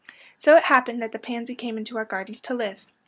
So it happened that the pansy came into our gardens to live.